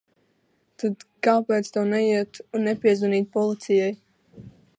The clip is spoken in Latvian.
Tad kāpēc tev neiet un nepiezvanīt policijai?